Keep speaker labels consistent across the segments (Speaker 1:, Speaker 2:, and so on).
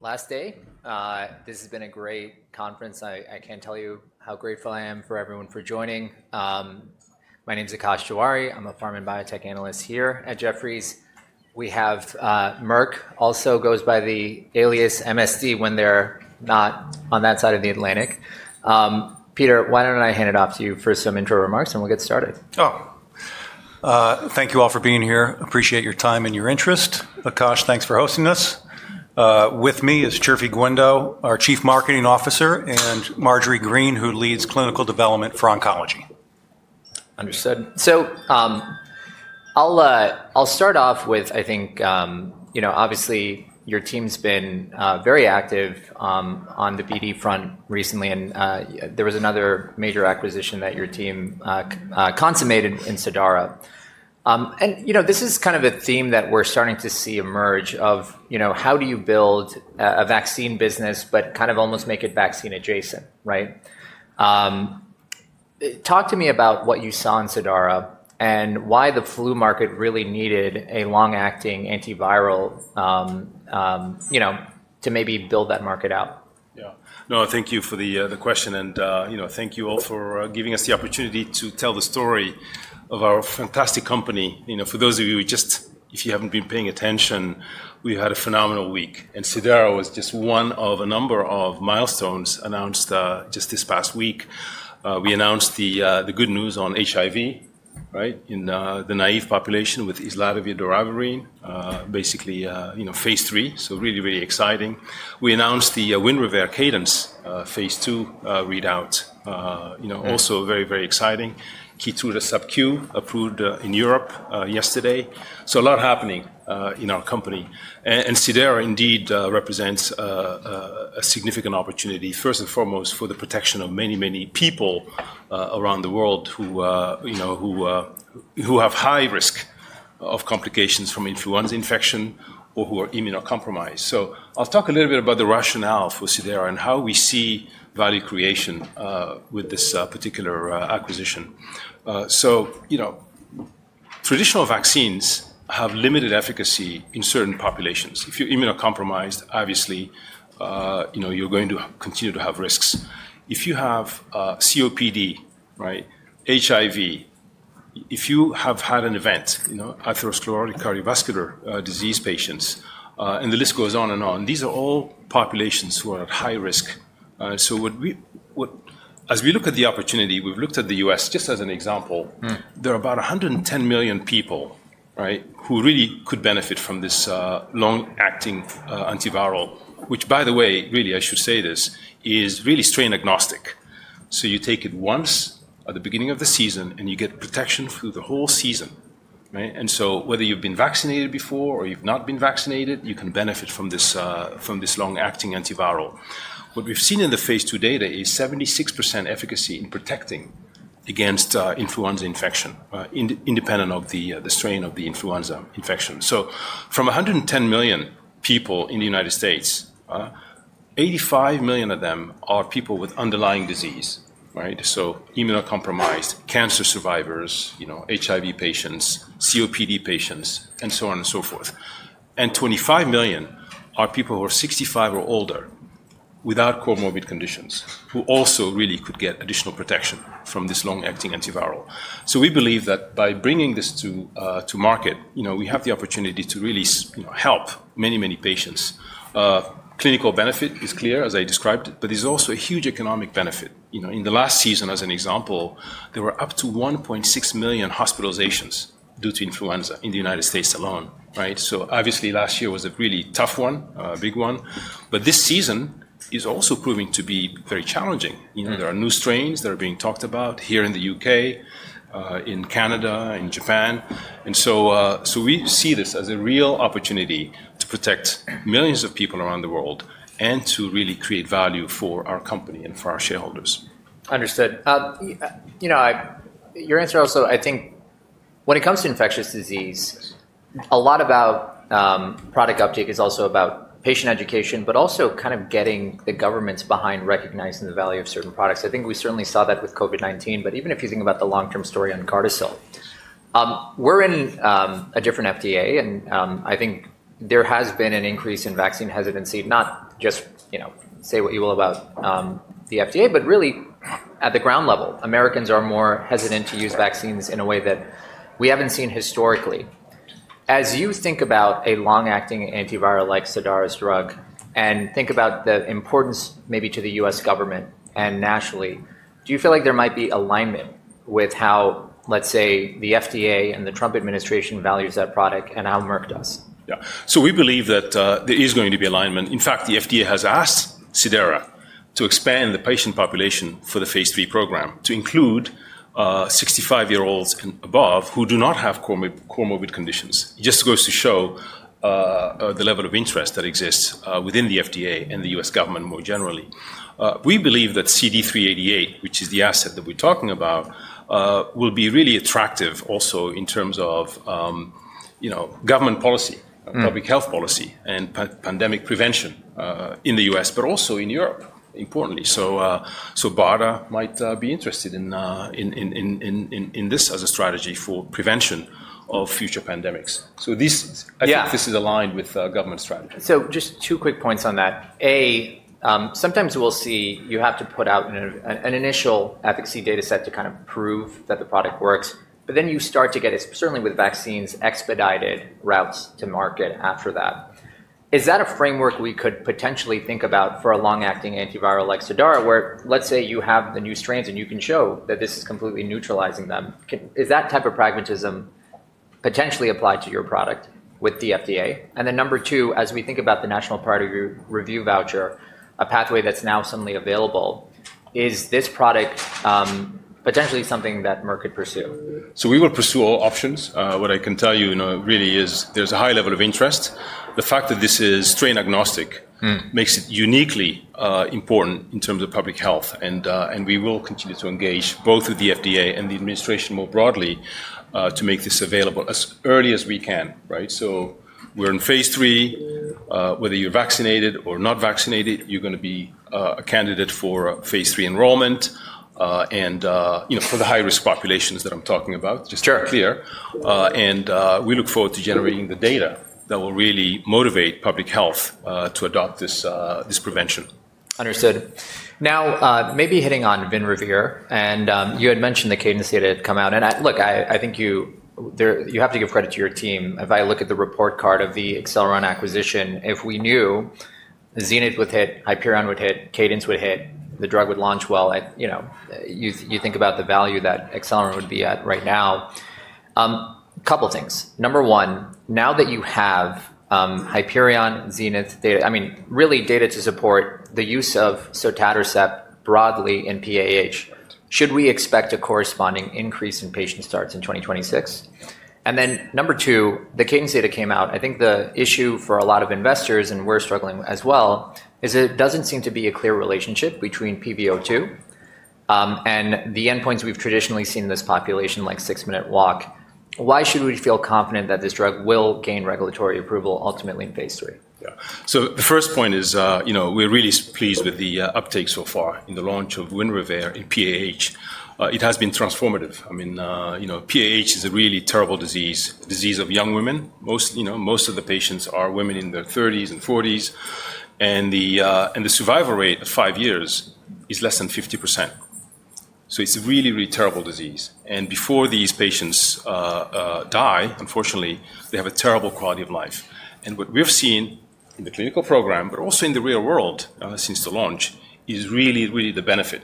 Speaker 1: Last day. This has been a great conference. I can't tell you how grateful I am for everyone for joining. My name's Akash Tewari. I'm a pharm and biotech analyst here at Jefferies. We have Merck, also goes by the alias MSD when they're not on that side of the Atlantic. Peter, why don't I hand it off to you for some intro remarks, and we'll get started.
Speaker 2: Oh, thank you all for being here. Appreciate your time and your interest. Akash, thanks for hosting us. With me is Chirfi Guindo, our Chief Marketing Officer, and Marjorie Green, who leads clinical development for oncology.
Speaker 1: Understood. I'll start off with, I think, you know, obviously, your team's been very active on the BD front recently, and there was another major acquisition that your team consummated in Cidara. And, you know, this is kind of a theme that we're starting to see emerge of, you know, how do you build a vaccine business but kind of almost make it vaccine-adjacent, right? Talk to me about what you saw in Cidara and why the flu market really needed a long-acting antiviral, you know, to maybe build that market out.
Speaker 2: Yeah. No, thank you for the question, and, you know, thank you all for giving us the opportunity to tell the story of our fantastic company. You know, for those of you who just, if you haven't been paying attention, we had a phenomenal week, and Cidara was just one of a number of milestones announced just this past week. We announced the good news on HIV, right, in the naive population with Islatravir/Doravirine, basically, you know, phase III, so really, really exciting. We announced the Winrevair, Cadence, phase II readout, you know, also very, very exciting. Keytruda subQ approved in Europe yesterday. A lot happening in our company. Cidara indeed represents a significant opportunity, first and foremost, for the protection of many, many people around the world who, you know, who have high risk of complications from influenza infection or who are immunocompromised. I'll talk a little bit about the rationale for Cidara and how we see value creation with this particular acquisition. You know, traditional vaccines have limited efficacy in certain populations. If you're immunocompromised, obviously, you know, you're going to continue to have risks. If you have COPD, right, HIV, if you have had an event, you know, atherosclerotic cardiovascular disease patients, and the list goes on and on, these are all populations who are at high risk. As we look at the opportunity, we've looked at the U.S. just as an example.
Speaker 1: Mm-hmm.
Speaker 2: There are about 110 million people, right, who really could benefit from this long-acting antiviral, which, by the way, really, I should say this, is really strain-agnostic. You take it once at the beginning of the season, and you get protection through the whole season, right? Whether you've been vaccinated before or you've not been vaccinated, you can benefit from this, from this long-acting antiviral. What we've seen in the phase II data is 76% efficacy in protecting against influenza infection, independent of the strain of the influenza infection. From 110 million people in the United States, 85 million of them are people with underlying disease, right? Immunocompromised, cancer survivors, you know, HIV patients, COPD patients, and so on and so forth. Twenty-five million are people who are 65 or older without comorbid conditions who also really could get additional protection from this long-acting antiviral. We believe that by bringing this to market, you know, we have the opportunity to really, you know, help many, many patients. Clinical benefit is clear, as I described, but there is also a huge economic benefit. You know, in the last season, as an example, there were up to 1.6 million hospitalizations due to influenza in the United States alone, right? Last year was a really tough one, big one, but this season is also proving to be very challenging. You know, there are new strains that are being talked about here in the U.K., in Canada, in Japan. We see this as a real opportunity to protect millions of people around the world and to really create value for our company and for our shareholders.
Speaker 1: Understood. You know, I—your answer also, I think, when it comes to infectious disease, a lot about product uptake is also about patient education, but also kind of getting the governments behind recognizing the value of certain products. I think we certainly saw that with COVID-19, but even if you think about the long-term story on Gardasil, we're in a different FDA, and I think there has been an increase in vaccine hesitancy, not just, you know, say what you will about the FDA, but really at the ground level, Americans are more hesitant to use vaccines in a way that we haven't seen historically. As you think about a long-acting antiviral like Cidara's drug and think about the importance maybe to the U.S. Government and nationally, do you feel like there might be alignment with how, let's say, the FDA and the Trump administration values that product and how Merck does?
Speaker 2: Yeah. We believe that there is going to be alignment. In fact, the FDA has asked Cidara to expand the patient population for the phase III program to include 65-year-olds and above who do not have comorbid conditions, just goes to show the level of interest that exists within the FDA and the U.S. government more generally. We believe that CD388, which is the asset that we're talking about, will be really attractive also in terms of, you know, government policy, public health policy, and pandemic prevention in the U.S., but also in Europe, importantly. BARDA might be interested in this as a strategy for prevention of future pandemics. This, I think.
Speaker 1: Yeah.
Speaker 2: This is aligned with government strategy.
Speaker 1: Just two quick points on that. A, sometimes we'll see you have to put out an initial efficacy data set to kind of prove that the product works, but then you start to get, certainly with vaccines, expedited routes to market after that. Is that a framework we could potentially think about for a long-acting antiviral like Cidara, where let's say you have the new strains and you can show that this is completely neutralizing them? Is that type of pragmatism potentially applied to your product with the FDA? Number two, as we think about the National Priority Review Voucher, a pathway that's now suddenly available, is this product potentially something that Merck could pursue?
Speaker 2: We will pursue all options. What I can tell you, you know, really is there's a high level of interest. The fact that this is strain-agnostic.
Speaker 1: Mm-hmm.
Speaker 2: Makes it uniquely important in terms of public health. We will continue to engage both with the FDA and the administration more broadly, to make this available as early as we can, right? We are in phase III. Whether you are vaccinated or not vaccinated, you are going to be a candidate for phase III enrollment, and, you know, for the high-risk populations that I am talking about.
Speaker 1: Sure.
Speaker 2: Just to be clear, we look forward to generating the data that will really motivate public health to adopt this prevention.
Speaker 1: Understood. Now, maybe hitting on Winrevair and, you had mentioned the Cadence data had come out. I look, I think you there you have to give credit to your team. If I look at the report card of the Acceleron acquisition, if we knew Zenith would hit, Hyperion would hit, Cadence would hit, the drug would launch well, I, you know, you think about the value that Acceleron would be at right now. A couple of things. Number one, now that you have Hyperion, Zenith data, I mean, really data to support the use of sotatercept broadly in PAH, should we expect a corresponding increase in patient starts in 2026? Number two, the Cadence data came out. I think the issue for a lot of investors, and we're struggling as well, is it doesn't seem to be a clear relationship between PVO2 and the endpoints we've traditionally seen in this population, like six-minute walk. Why should we feel confident that this drug will gain regulatory approval ultimately in phase III?
Speaker 2: Yeah. The first point is, you know, we're really pleased with the uptake so far in the launch of Winrevair in PAH. It has been transformative. I mean, you know, PAH is a really terrible disease, disease of young women. Most, you know, most of the patients are women in their 30s and 40s, and the survival rate of five years is less than 50%. It is a really, really terrible disease. Before these patients die, unfortunately, they have a terrible quality of life. What we've seen in the clinical program, but also in the real world since the launch, is really, really the benefit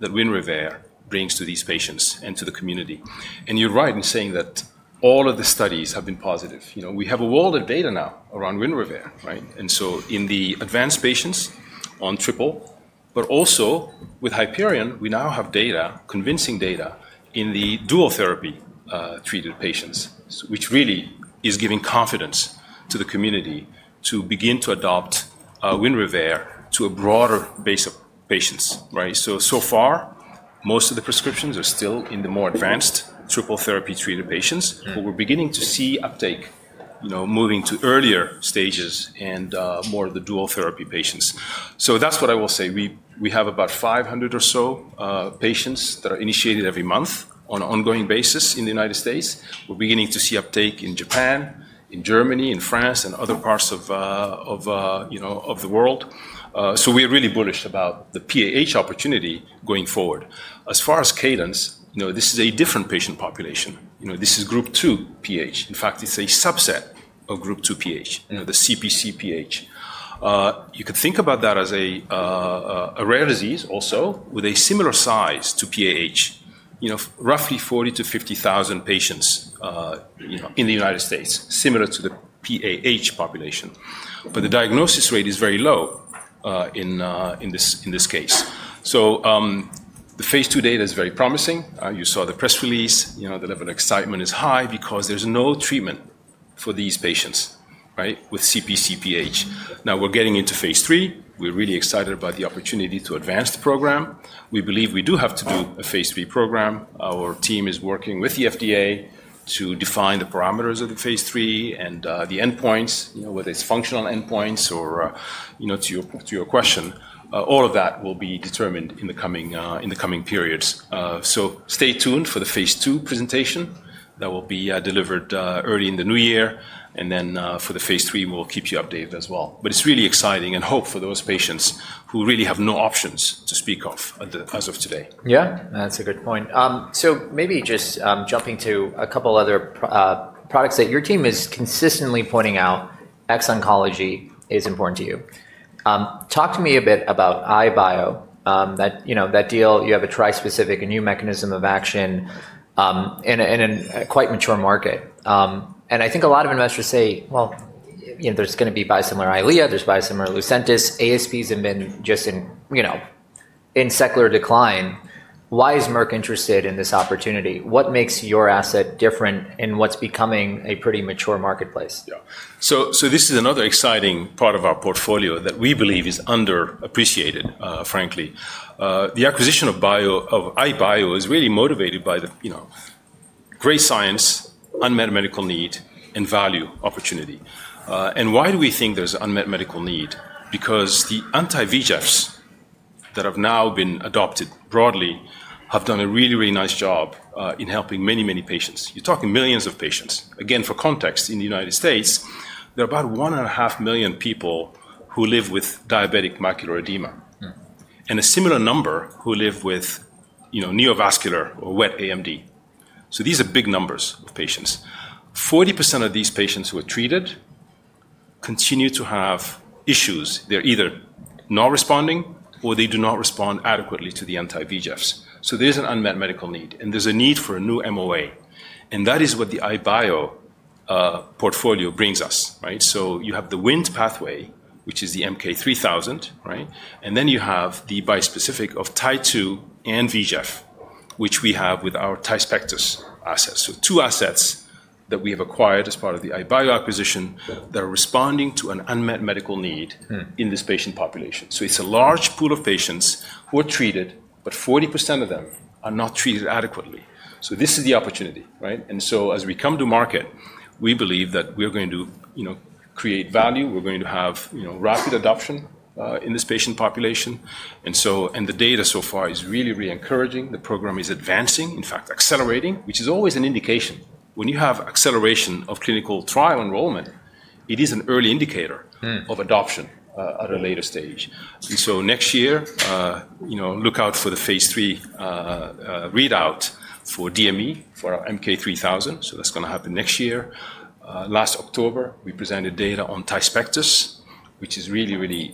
Speaker 2: that Winrevair brings to these patients and to the community. You're right in saying that all of the studies have been positive. You know, we have a world of data now around Winrevair, right? In the advanced patients on triple, but also with Hyperion, we now have data, convincing data, in the dual therapy treated patients, which really is giving confidence to the community to begin to adopt Winrevair to a broader base of patients, right? So far, most of the prescriptions are still in the more advanced triple therapy treated patients.
Speaker 1: Mm-hmm.
Speaker 2: We're beginning to see uptake, you know, moving to earlier stages and more of the dual therapy patients. That's what I will say. We have about 500 or so patients that are initiated every month on an ongoing basis in the United States. We're beginning to see uptake in Japan, in Germany, in France, and other parts of, you know, of the world. We are really bullish about the PAH opportunity going forward. As far as Cadence, you know, this is a different patient population. This is group two PH. In fact, it's a subset of group two PH, you know, the CPC PH. You could think about that as a rare disease also with a similar size to PAH, you know, roughly 40,000-50,000 patients in the United States, similar to the PAH population. The diagnosis rate is very low in this case. The phase II data is very promising. You saw the press release, you know, the level of excitement is high because there's no treatment for these patients, right, with CPC PH. Now we're getting into phase III. We're really excited about the opportunity to advance the program. We believe we do have to do a phase III program. Our team is working with the FDA to define the parameters of the phase III and the endpoints, you know, whether it's functional endpoints or, you know, to your question, all of that will be determined in the coming periods. Stay tuned for the phase II presentation that will be delivered early in the new year. For the phase III, we'll keep you updated as well. It is really exciting and hope for those patients who really have no options to speak of as of today.
Speaker 1: Yeah, that's a good point. Maybe just jumping to a couple other products that your team is consistently pointing out, ex-oncology is important to you. Talk to me a bit about EyeBio, that, you know, that deal, you have a trispecific immune mechanism of action, in a, in a quite mature market. And I think a lot of investors say, well, you know, there's going to be bi-similar Eylea, there's bi-similar Lucentis. ASBs have been just in, you know, in secular decline. Why is Merck interested in this opportunity? What makes your asset different in what's becoming a pretty mature marketplace?
Speaker 2: Yeah. This is another exciting part of our portfolio that we believe is underappreciated, frankly. The acquisition of EyeBio is really motivated by the, you know, great science, unmet medical need, and value opportunity. Why do we think there's an unmet medical need? Because the anti-VEGFs that have now been adopted broadly have done a really, really nice job in helping many, many patients. You're talking millions of patients. Again, for context, in the United States, there are about one and a half million people who live with diabetic macular edema.
Speaker 1: Mm-hmm.
Speaker 2: A similar number who live with, you know, neovascular or wet AMD. These are big numbers of patients. 40% of these patients who are treated continue to have issues. They're either not responding or they do not respond adequately to the anti-VEGFs. There is an unmet medical need, and there's a need for a new MOA. That is what the EyeBio portfolio brings us, right? You have the Wnt pathway, which is the MK-3000, right? Then you have the bispecific of TIE2 and VEGF, which we have with our Tiespectus assets. Two assets that we have acquired as part of the EyeBio acquisition that are responding to an unmet medical need.
Speaker 1: Mm-hmm.
Speaker 2: In this patient population. It is a large pool of patients who are treated, but 40% of them are not treated adequately. This is the opportunity, right? As we come to market, we believe that we are going to, you know, create value. We are going to have, you know, rapid adoption in this patient population. The data so far is really, really encouraging. The program is advancing, in fact, accelerating, which is always an indication. When you have acceleration of clinical trial enrollment, it is an early indicator.
Speaker 1: Mm-hmm.
Speaker 2: Of adoption, at a later stage. Next year, you know, look out for the phase III readout for DME for our MK-3000. That's going to happen next year. Last October, we presented data on Tiespectus, which is really, really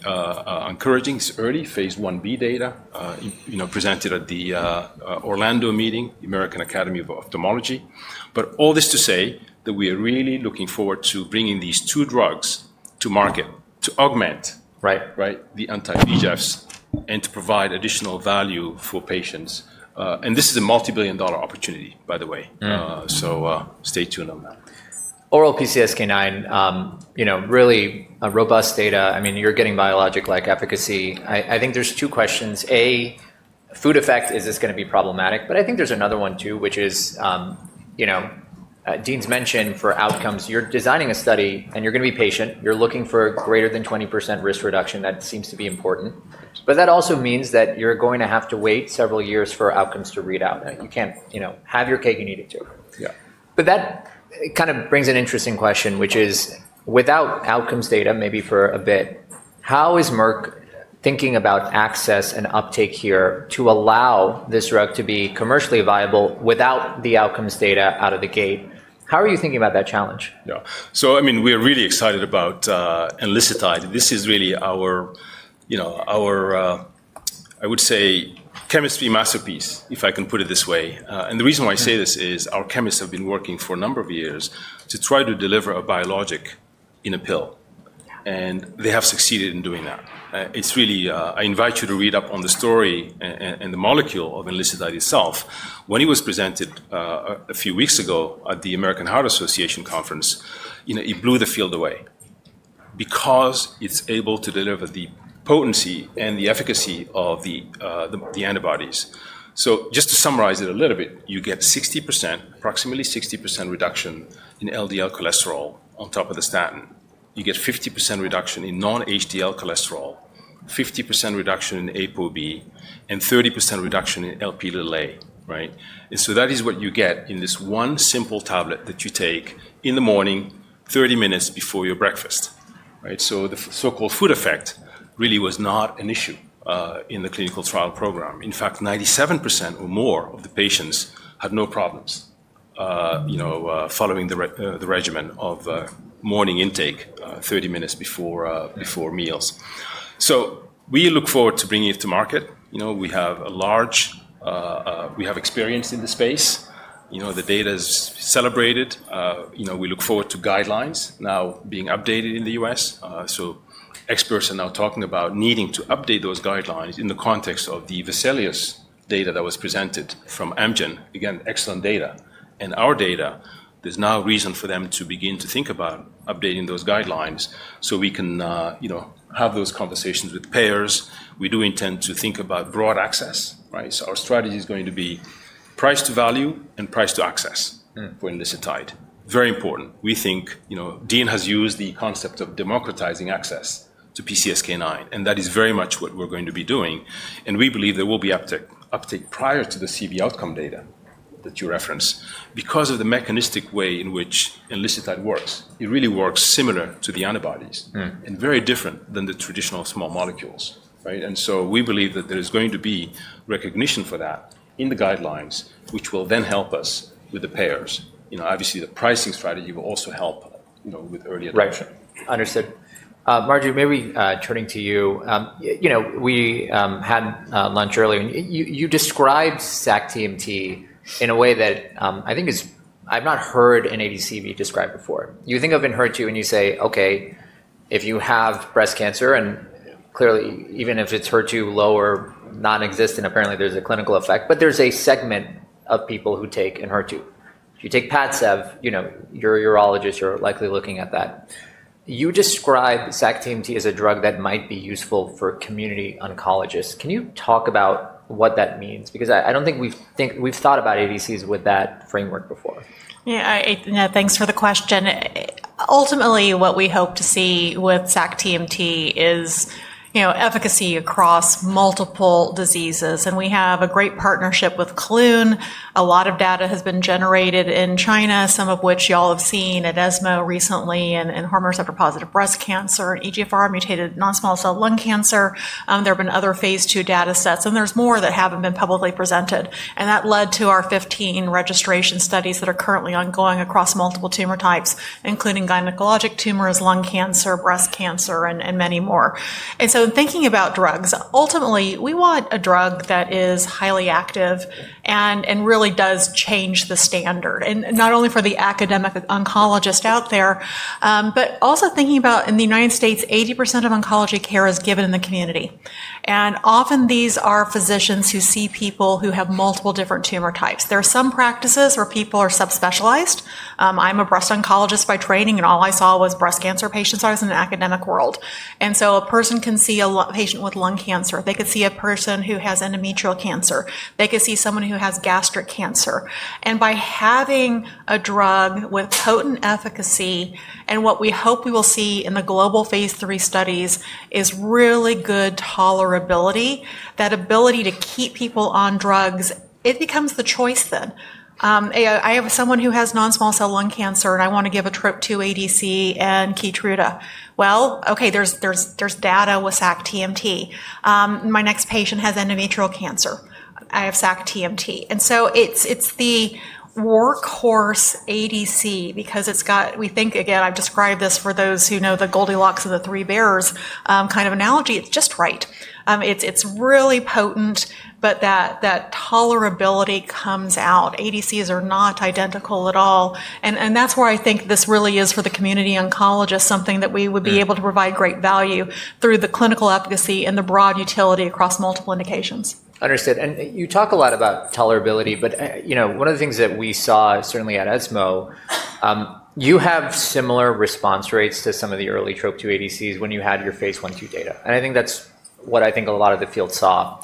Speaker 2: encouraging. It's early phase I-B data, you know, presented at the Orlando meeting, the American Academy of Ophthalmology. All this to say that we are really looking forward to bringing these two drugs to market to augment.
Speaker 1: Right.
Speaker 2: Right, the anti-VEGFs and to provide additional value for patients. This is a multi-billion dollar opportunity, by the way.
Speaker 1: Mm-hmm.
Speaker 2: Stay tuned on that.
Speaker 1: Oral PCSK9, you know, really a robust data. I mean, you're getting biologic-like efficacy. I think there's two questions. A, food effect, is this going to be problematic? I think there's another one too, which is, you know, Dean's mentioned for outcomes, you're designing a study and you're going to be patient. You're looking for greater than 20% risk reduction. That seems to be important. That also means that you're going to have to wait several years for outcomes to read out. You can't, you know, have your cake and eat it too.
Speaker 2: Yeah.
Speaker 1: That kind of brings an interesting question, which is without outcomes data, maybe for a bit, how is Merck thinking about access and uptake here to allow this drug to be commercially viable without the outcomes data out of the gate? How are you thinking about that challenge?
Speaker 2: Yeah. I mean, we are really excited about Enlicitide. This is really our, you know, our, I would say chemistry masterpiece, if I can put it this way. The reason why I say this is our chemists have been working for a number of years to try to deliver a biologic in a pill. They have succeeded in doing that. It's really, I invite you to read up on the story and the molecule of Enlicitide itself. When it was presented a few weeks ago at the American Heart Association conference, you know, it blew the field away because it's able to deliver the potency and the efficacy of the antibodies. Just to summarize it a little bit, you get 60%, approximately 60% reduction in LDL cholesterol on top of the statin. You get 50% reduction in non-HDL cholesterol, 50% reduction in ApoB, and 30% reduction in Lp(a), right? That is what you get in this one simple tablet that you take in the morning 30 minutes before your breakfast, right? The so-called food effect really was not an issue in the clinical trial program. In fact, 97% or more of the patients had no problems, you know, following the regimen of morning intake, 30 minutes before meals. We look forward to bringing it to market. You know, we have a large, we have experience in the space. You know, the data is celebrated. You know, we look forward to guidelines now being updated in the U.S. so experts are now talking about needing to update those guidelines in the context of the Vesalius data that was presented from Amgen. Again, excellent data. Our data, there is now a reason for them to begin to think about updating those guidelines so we can, you know, have those conversations with payers. We do intend to think about broad access, right? Our strategy is going to be price to value and price to access for Enlicitide. Very important. We think, you know, Dean has used the concept of democratizing access to PCSK9, and that is very much what we're going to be doing. We believe there will be uptake, uptake prior to the CV outcome data that you referenced because of the mechanistic way in which Enlicitide works. It really works similar to the antibodies.
Speaker 1: Mm-hmm.
Speaker 2: Very different than the traditional small molecules, right? We believe that there is going to be recognition for that in the guidelines, which will then help us with the payers. You know, obviously the pricing strategy will also help, you know, with early adoption.
Speaker 1: Understood. Marjorie, maybe, turning to you, you know, we had lunch earlier. You described sac-TMT in a way that, I think is, I've not heard an ADC described before. You think of ENHERTU and you say, okay, if you have breast cancer and clearly, even if it's HER2 low or nonexistent, apparently there's a clinical effect, but there's a segment of people who take ENHERTU. If you take PADCEV, you know, you're a urologist, you're likely looking at that. You describe sac-TMT as a drug that might be useful for community oncologists. Can you talk about what that means? Because I, I don't think we've thought about ADCs with that framework before.
Speaker 3: Yeah, I, yeah, thanks for the question. Ultimately, what we hope to see with sac-TMT is, you know, efficacy across multiple diseases. And we have a great partnership with Kelun. A lot of data has been generated in China, some of which y'all have seen at ESMO recently, and hormone receptor positive breast cancer, EGFR mutated non-small cell lung cancer. There have been other phase II data sets and there's more that haven't been publicly presented. That led to our 15 registration studies that are currently ongoing across multiple tumor types, including gynecologic tumors, lung cancer, breast cancer, and many more. In thinking about drugs, ultimately we want a drug that is highly active and really does change the standard and not only for the academic oncologist out there, but also thinking about in the United States, 80% of oncology care is given in the community. Often these are physicians who see people who have multiple different tumor types. There are some practices where people are subspecialized. I'm a breast oncologist by training and all I saw was breast cancer patients. I was in the academic world. A person can see a patient with lung cancer. They could see a person who has endometrial cancer. They could see someone who has gastric cancer. By having a drug with potent efficacy and what we hope we will see in the global phase III studies is really good tolerability, that ability to keep people on drugs, it becomes the choice then. I have someone who has non-small cell lung cancer and I want to give a trip to ADC and Keytruda. Okay, there's data with sac-TMT. My next patient has endometrial cancer. I have sac-TMT. It is the workhorse ADC because it's got, we think, again, I've described this for those who know the Goldilocks and the Three Bears kind of analogy. It's just right. It's really potent, but that tolerability comes out. ADCs are not identical at all. I think this really is for the community oncologist, something that we would be able to provide great value through the clinical efficacy and the broad utility across multiple indications.
Speaker 1: Understood. And you talk a lot about tolerability, but, you know, one of the things that we saw certainly at ESMO, you have similar response rates to some of the early trope two ADCs when you had your phase I, II data. And I think that's what I think a lot of the field saw.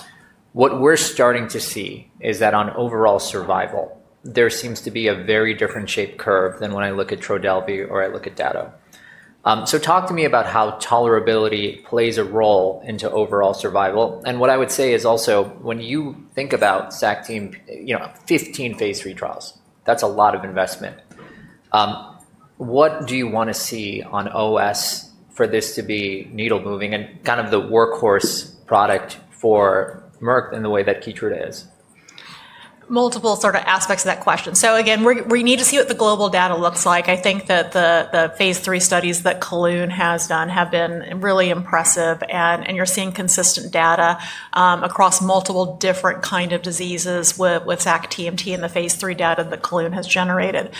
Speaker 1: What we're starting to see is that on overall survival, there seems to be a very different shape curve than when I look at Trodelvy or I look at Dato-DXd. So talk to me about how tolerability plays a role into overall survival. And what I would say is also when you think about sac-TMT, you know, 15 phase III trials, that's a lot of investment. What do you want to see on OS for this to be needle moving and kind of the workhorse product for Merck in the way that Keytruda is?
Speaker 3: Multiple sort of aspects of that question. Again, we need to see what the global data looks like. I think that the phase III studies that Kelun has done have been really impressive. You're seeing consistent data across multiple different kinds of diseases with sac-TMT and the phase III data that Kelun has generated.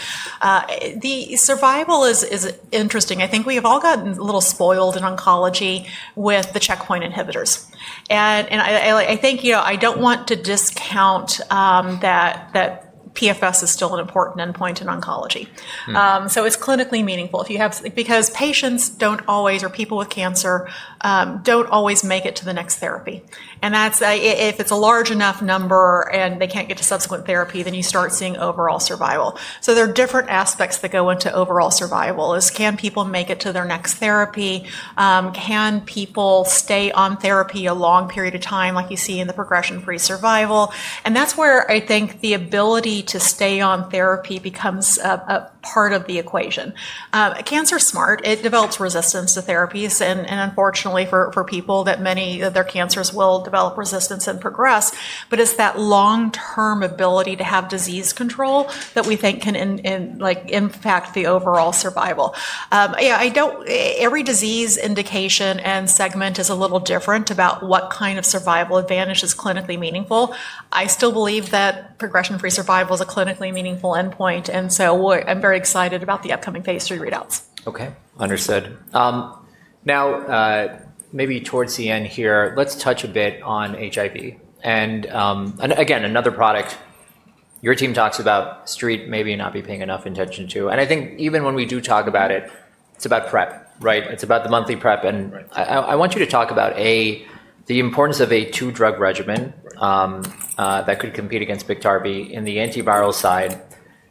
Speaker 3: The survival is interesting. I think we have all gotten a little spoiled in oncology with the checkpoint inhibitors. I think, you know, I don't want to discount that PFS is still an important endpoint in oncology.
Speaker 1: Mm-hmm.
Speaker 3: It's clinically meaningful if you have, because patients don't always, or people with cancer, don't always make it to the next therapy. If it's a large enough number and they can't get to subsequent therapy, then you start seeing overall survival. There are different aspects that go into overall survival. Can people make it to their next therapy? Can people stay on therapy a long period of time like you see in the progression-free survival? That's where I think the ability to stay on therapy becomes a part of the equation. Cancer's smart. It develops resistance to therapies. Unfortunately, for people, many, their cancers will develop resistance and progress. It's that long-term ability to have disease control that we think can, in, like, impact the overall survival. Yeah, I don't, every disease indication and segment is a little different about what kind of survival advantage is clinically meaningful. I still believe that progression-free survival is a clinically meaningful endpoint. I am very excited about the upcoming phase III readouts.
Speaker 1: Okay. Understood. Now, maybe towards the end here, let's touch a bit on HIV. Again, another product your team talks about, Street maybe not be paying enough attention to. I think even when we do talk about it, it's about PrEP, right? It's about the monthly PrEP. I want you to talk about, A, the importance of a two-drug regimen that could compete against Biktarvy in the antiviral side.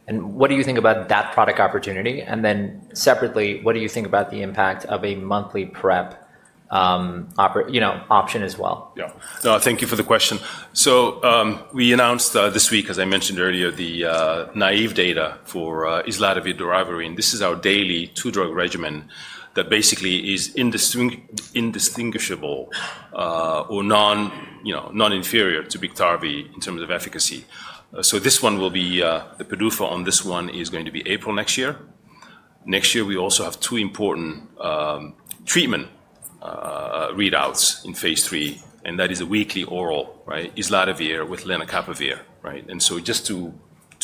Speaker 1: What do you think about that product opportunity? Then separately, what do you think about the impact of a monthly PrEP option as well?
Speaker 2: Yeah. No, thank you for the question. We announced this week, as I mentioned earlier, the naive data for islatravir/doravirine. This is our daily two-drug regimen that basically is indistinguishable, or non, you know, non-inferior to Biktarvy in terms of efficacy. This one will be, the PDUFA on this one is going to be April next year. Next year, we also have two important treatment readouts in phase III. That is a weekly oral, right? Islatravir with lenacapavir, right? Just to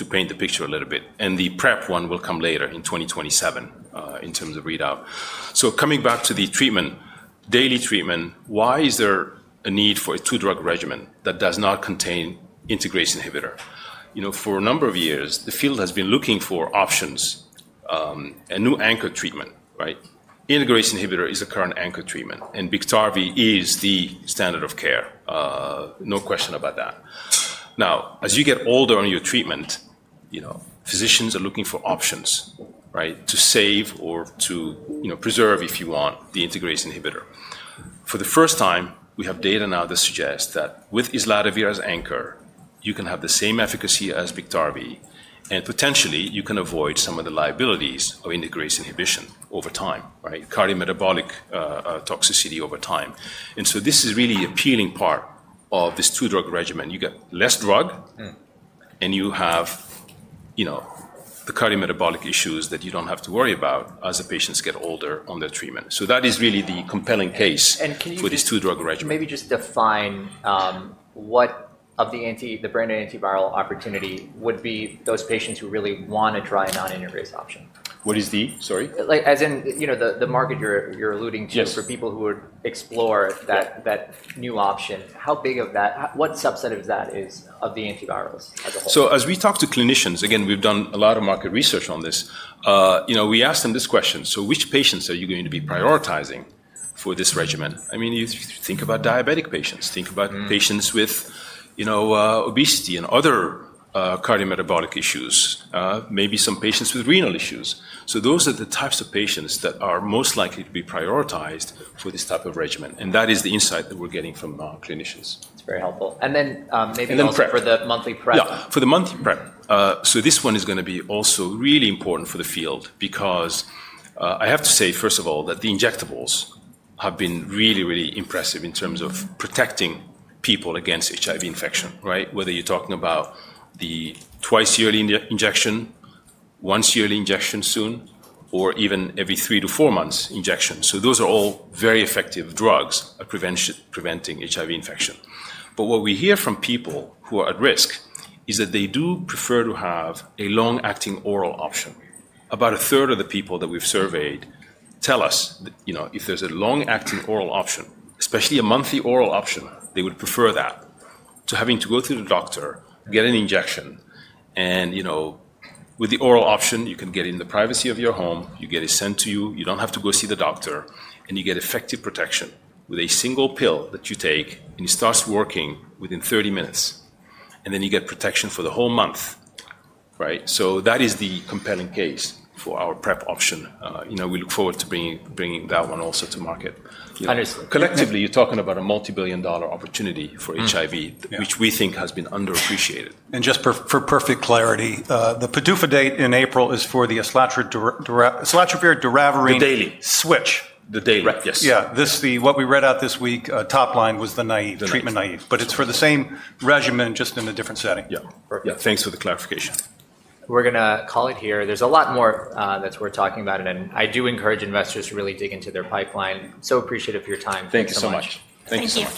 Speaker 2: paint the picture a little bit. The PrEP one will come later in 2027, in terms of readout. Coming back to the treatment, daily treatment, why is there a need for a two-drug regimen that does not contain integrase inhibitor? You know, for a number of years, the field has been looking for options, a new anchor treatment, right? Integrase inhibitor is the current anchor treatment. And Biktarvy is the standard of care. No question about that. Now, as you get older on your treatment, you know, physicians are looking for options, right, to save or to, you know, preserve if you want the integrase inhibitor. For the first time, we have data now that suggests that with islatravir as anchor, you can have the same efficacy as Biktarvy. And potentially you can avoid some of the liabilities of integrase inhibition over time, right? Cardiometabolic, toxicity over time. This is really the appealing part of this two-drug regimen. You get less drug. And you have, you know, the cardiometabolic issues that you don't have to worry about as the patients get older on their treatment. That is really the compelling case for this two-drug regimen.
Speaker 1: Can you maybe just define what of the anti, the branded antiviral opportunity would be those patients who really want to try a non-integrase option?
Speaker 2: What is the, sorry?
Speaker 1: Like, as in, you know, the market you're alluding to for people who would explore that new option. How big of that, what subset of that is of the antivirals as a whole?
Speaker 2: As we talk to clinicians, again, we've done a lot of market research on this. You know, we asked them this question. I mean, you think about diabetic patients, think about patients with, you know, obesity and other cardiometabolic issues, maybe some patients with renal issues. Those are the types of patients that are most likely to be prioritized for this type of regimen. That is the insight that we're getting from non-clinicians.
Speaker 1: That's very helpful. Maybe for the monthly PrEP.
Speaker 2: PrEP. Yeah, for the monthly PrEP. This one is gonna be also really important for the field because, I have to say, first of all, that the injectables have been really, really impressive in terms of protecting people against HIV infection, right? Whether you're talking about the twice yearly injection, once yearly injection soon, or even every three to four months injection. Those are all very effective drugs at prevention, preventing HIV infection. What we hear from people who are at risk is that they do prefer to have a long-acting oral option. About a third of the people that we've surveyed tell us that, you know, if there's a long-acting oral option, especially a monthly oral option, they would prefer that to having to go through the doctor, get an injection. You know, with the oral option, you can get it in the privacy of your home, you get it sent to you, you do not have to go see the doctor, and you get effective protection with a single pill that you take and it starts working within 30 minutes. You get protection for the whole month, right? That is the compelling case for our PrEP option. You know, we look forward to bringing that one also to market.
Speaker 1: Understood.
Speaker 2: Collectively, you're talking about a multi-billion dollar opportunity for HIV, which we think has been underappreciated.
Speaker 4: Just for perfect clarity, the PDUFA date in April is for the islatravir/doravirine.
Speaker 2: The daily.
Speaker 4: Switch.
Speaker 2: The daily.
Speaker 4: Right.
Speaker 2: Yes.
Speaker 4: Yeah. What we read out this week, top line, was the treatment-naive. It's for the same regimen, just in a different setting.
Speaker 2: Yeah. Perfect. Yeah. Thanks for the clarification.
Speaker 1: We're gonna call it here. There's a lot more that we're talking about. I do encourage investors to really dig into their pipeline. So appreciative of your time.
Speaker 2: Thank you so much. Thank you.